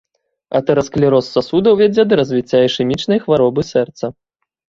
Атэрасклероз сасудаў вядзе да развіцця ішэмічнай хваробы сэрца.